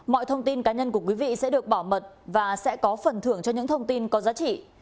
mọi thông tin cá nhân của quý vị sẽ được bảo mật và sẽ có phần thưởng cho những thông tin có giá trị